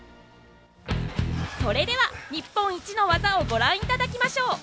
それでは日本一の技をご覧いただきましょう。